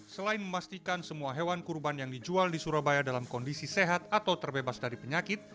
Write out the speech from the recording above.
selain memastikan semua hewan kurban yang dijual di surabaya dalam kondisi sehat atau terbebas dari penyakit